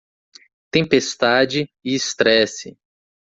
Tempestade e estresse.